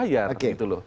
karena oh dia harus bayar